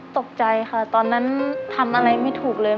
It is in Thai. ตกใจค่ะตอนนั้นทำอะไรไม่ถูกเลย